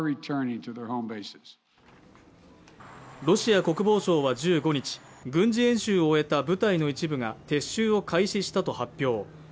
ロシア国防省は１５日軍事演習を終えた部隊の一部が撤収を開始したと発表